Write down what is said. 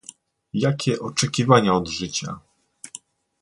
Jakie oczekiwania od życia?